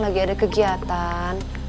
lagi ada kegiatan